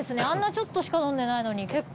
あんなちょっとしか飲んでないのに。